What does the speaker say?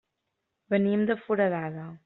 Venim de Foradada.